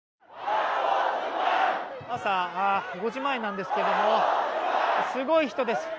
朝５時前なんですけれどもすごい人です。